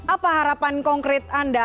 apa harapan konkret anda